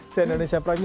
saya indonesia prime news